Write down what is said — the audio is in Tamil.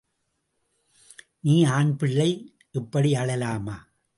நீ ஆண் பிள்ளை, இப்படி அழலாமா?